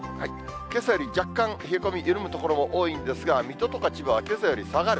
けさより若干冷え込み緩む所も多いんですが、水戸とか千葉はけさより下がる。